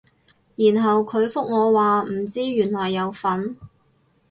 然後佢覆我話唔知原來有分